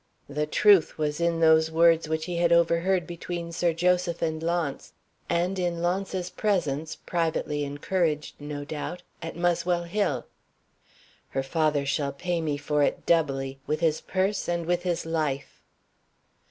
The truth was in those words which he had overheard between Sir Joseph and Launce and in Launce's presence (privately encouraged, no doubt) at Muswell Hill. "Her father shall pay me for it doubly: with his purse and with his life."